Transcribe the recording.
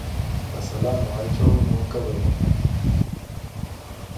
که سلام واچوو نو کبر نه پاتې کیږي.